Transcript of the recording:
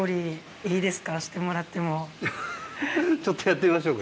フフフちょっとやってみましょうか。